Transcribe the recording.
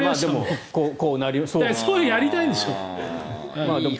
そうやりたいんでしょ。